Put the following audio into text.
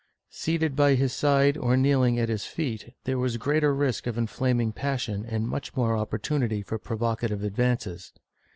Seated by his side or kneeling at his feet, there was greater risk of inflaming passion and much more oppor tunity for provocative advances.